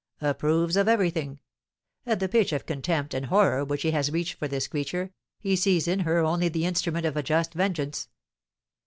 "Approves of everything. At the pitch of contempt and horror which he has reached for this creature, he sees in her only the instrument of a just vengeance.